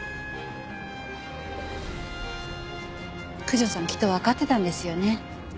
九条さんきっとわかってたんですよね。